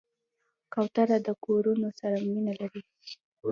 کوتره د کورونو سره مینه لري.